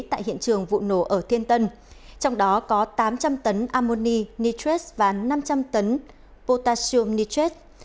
tại hiện trường vụ nổ ở thiên tân trong đó có tám trăm linh tấn ammoni nitrate và năm trăm linh tấn potassium nitrate